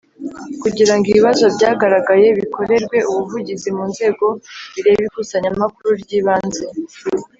kugira ngo ibibazo byagaragaye bikorerwe ubuvugizi mu nzego bireba Ikusanyamakuru ryibanze